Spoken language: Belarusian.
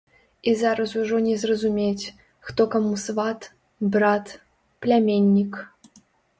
І зараз ужо не зразумець, хто каму сват, брат, пляменнік.